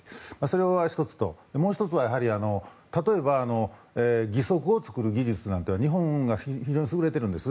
もう１つは例えば、義足を作る技術は日本が非常に優れているんです。